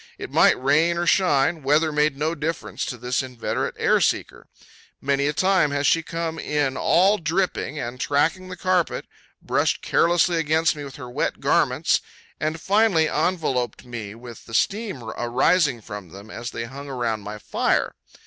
It might rain or shine; weather made no difference to this inveterate air seeker. Many a time has she come in all dripping, and tracking the carpet, brushed carelessly against me with her wet garments, and finally enveloped me with the steam arising from them as they hung around my fire.